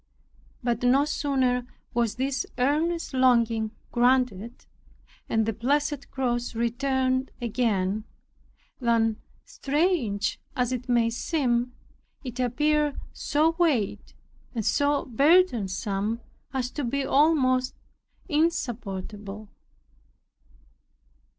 But no sooner was this earnest longing granted, and the blessed cross returned again, than strange as it may seem, it appeared so weighty and burdensome, as to be almost insupportable.